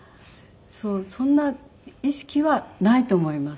そんな意識はないと思います。